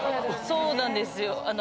そうなんですよ。